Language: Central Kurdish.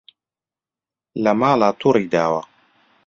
لە ماڵا توڕی داوە